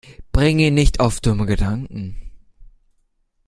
Bring ihn nicht auf dumme Gedanken!